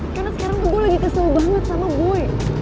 karena sekarang gue lagi kesel banget sama boy